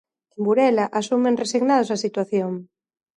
En Burela, asumen resignados a situación.